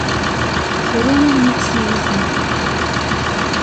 Tru almi tt-tiwi tnafa.